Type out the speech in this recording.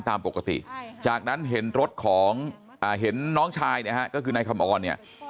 ตามปกติจากนั้นเห็นรถของเห็นน้องชายนะฮะก็คือนายคำออนเนี่ย